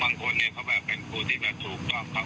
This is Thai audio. หลังจากพบศพผู้หญิงปริศนาตายตรงนี้ครับ